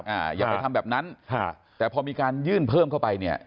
อย่าไปทำแบบนั้นค่ะแต่พอมีการยื่นเพิ่มเข้าไปเนี่ย